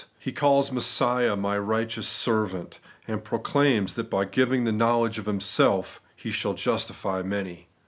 He calls Messiah ' My righteous servant/ and proclaims that by giving the knowledge of Himself He shall justify many.